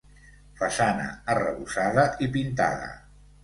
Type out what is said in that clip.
Façana arrebossada i pintada.